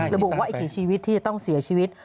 ระบุว่าอีกกี่ชีวิตที่จะต้องเสียชีวิต